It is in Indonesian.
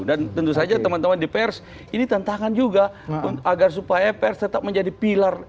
dan tentu saja teman teman di pers ini tantangan juga agar supaya pers tetap menjadi pilar